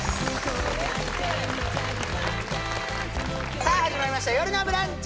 さあ始まりました「よるのブランチ」